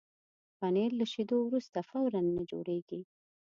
پنېر له شیدو وروسته فوراً نه جوړېږي.